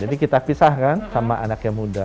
jadi kita pisahkan sama anak yang muda